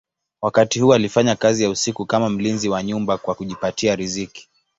Wakati huu alifanya kazi ya usiku kama mlinzi wa nyumba kwa kujipatia riziki.